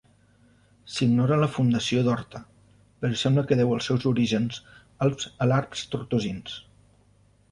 S'ignora la fundació d'Horta, però sembla que deu els seus orígens als alarbs tortosins.